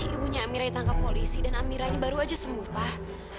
ibunya amira ditangkap polisi dan amira ini baru aja sembuh pak